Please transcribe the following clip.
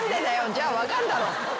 じゃあ分かんだろ。